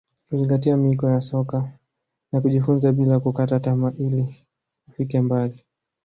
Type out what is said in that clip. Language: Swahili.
kuzingatia miiko ya soka na kujifunza bila kukata tamaa ili wafike mbali